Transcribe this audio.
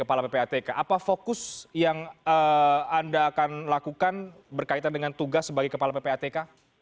apa kabar yang anda lakukan berkaitan dengan tugas sebagai kepala ppatk